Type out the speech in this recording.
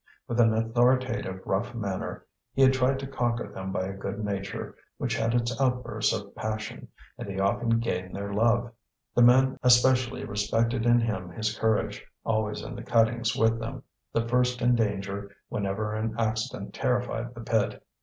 With an authoritative, rough manner, he had tried to conquer them by a good nature which had its outbursts of passion, and he often gained their love; the men especially respected in him his courage, always in the cuttings with them, the first in danger whenever an accident terrified the pit.